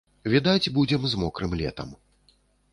Відаць, будзем з мокрым летам.